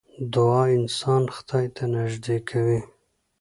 دعا انسان خدای ته نژدې کوي .